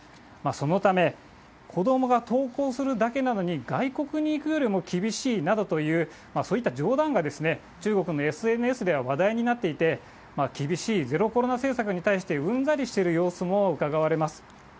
そのため、子どもが登校するだけなのに、外国に行くよりも厳しいなどという、そういった冗談が中国のＳＮＳでは話題になっていて、厳しいゼロコロナ政策に対して、うんざりしている様子もうかがわれます。